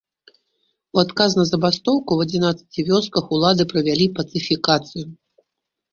У адказ на забастоўку ў адзінаццаці вёсках улады правялі пацыфікацыю.